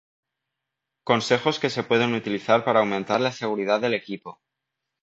consejos que se pueden utilizar para aumentar la seguridad del equipo